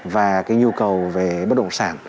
và cái nhu cầu về bất động sản